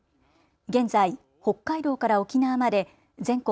現在、北海道から沖縄まで全国